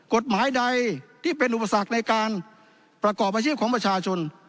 กฎหมายใดที่เป็นอุปสรรคในการประกอบอาชีพของประชาชน